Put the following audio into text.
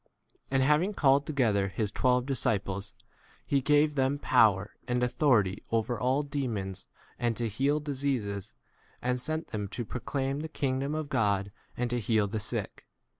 And having called together his twelve disciples he gave them power and authority over all de 2 mons and to heal diseases, and sent them to proclaim the king dom of God and to heal the sick.